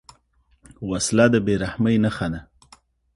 وسله د بېرحمۍ نښه ده